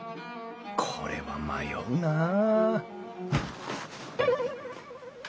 これは迷うなあ